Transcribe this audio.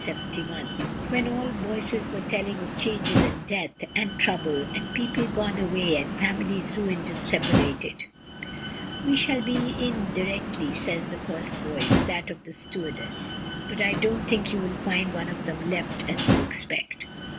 year of 187 1, when all voices were telling of changes and death, and trouble, and people gone away and families ruined and separated. "We shall be in directly," says the first voice, that of the stewardess, "but I don't think you will find one of them left as you expect."